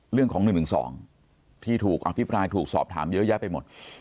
เรื่องของ๑๑๒ที่ถูกอภิปรายถูกสอบถามเยอะแยะไปหมด